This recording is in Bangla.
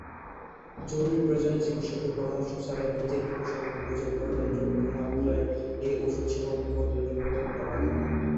জরুরি প্রয়োজনে চিকিৎসকের পরামর্শ ছাড়াই নিজের উপসর্গ বুঝে গ্রহণযোগ্য মাত্রায় এ ওষুধ সেবন করতেও খুব একটা বাধা নেই।